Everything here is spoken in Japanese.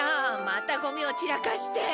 またゴミを散らかして。